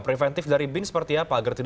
preventif dari bin seperti apa